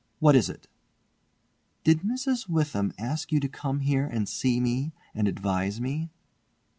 What is it?" "Did Mrs. Witham ask you to come here and see me and advise me?"